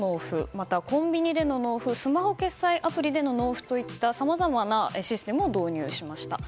また、コンビニでの納付やスマホ決済アプリでの納付などさまざまなシステムを導入しました。